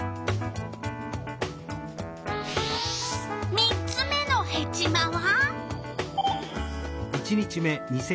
３つ目のヘチマは？